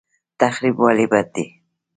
تخریب ولې بد دی؟